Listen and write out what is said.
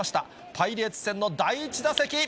パイレーツ戦の第１打席。